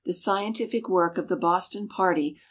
ScientiHc Work of the Boston Party